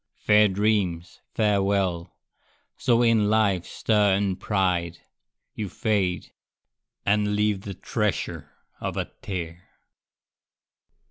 Fair dreams, farewell! So in life's stir and pride You fade, and leave the treasure of a tear!